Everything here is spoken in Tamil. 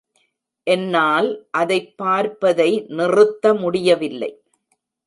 என்னால் அதைப் பார்ப்பதை நிறுத்த முடியவில்லை.